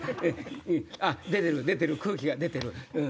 あっ出てる出てる空気が出てる。